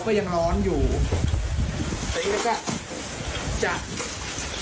เมื่อวานก็จัดการไปหนึ่งอันนี้นะคะเตาก็ยังร้อนอยู่